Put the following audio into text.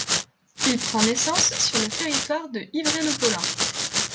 Il prend naissance sur le territoire de Yvré-le-Pôlin.